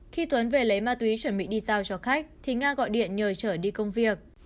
khi tuấn về lấy ma túy chuẩn bị đi giao cho khách thì nga gọi điện nhờ trở đi công việc